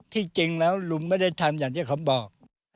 ที่จริงแล้วลุงไม่ได้ทำอย่างที่เขาบอก